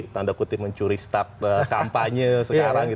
tanda kutip mencuri staf kampanye sekarang